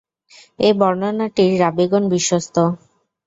এ বর্ণনাটির রাবীগণ বিশ্বস্ত।